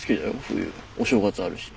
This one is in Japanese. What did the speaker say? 冬お正月あるし。